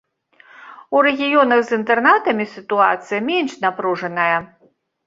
У рэгіёнах з інтэрнатамі сітуацыя менш напружаная.